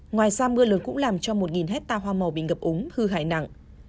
ngoài ra mưa lớn cũng làm cho một hecta hoa màu bị ngập ống hư hại nặng